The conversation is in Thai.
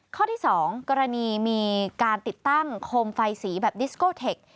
ข้อที่๒กรณีมีการติดตั้งโคมไฟสีแบบดิสโกเทค